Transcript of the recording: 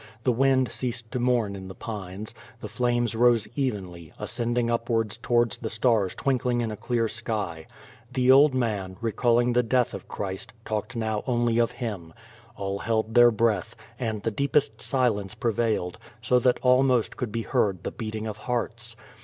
The wind ceased to mourn in the pines. The flames rose evenly, ascending upwards towards the stars twinkling in a clear sky. The old man, recalling the deatli of Christ, talked now only of Him. AH held their breath, and the deepest silence prevailed, so that almost could be heard the beating of hearts.